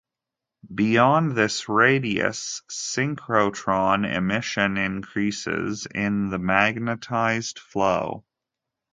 Beyond this radius, synchrotron emission increases in the magnetized flow.